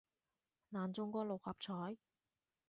難中過六合彩